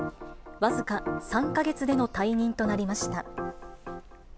僅か３か月での退任となりました。